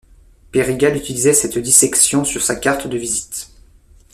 Perigal utilisait cette dissection sur sa carte de visite.